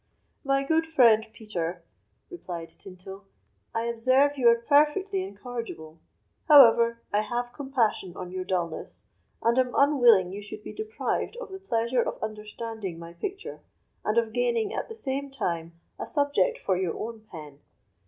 "My good friend, Peter," replied Tinto, "I observe you are perfectly incorrigible; however, I have compassion on your dulness, and am unwilling you should be deprived of the pleasure of understanding my picture, and of gaining, at the same time, a subject for your own pen.